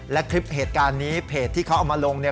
และคลิปเหตุการณ์นี้เพจที่เขาเอามาลง